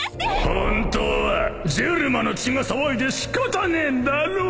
本当はジェルマの血が騒いで仕方ねえんだろ？